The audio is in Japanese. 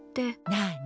なあに？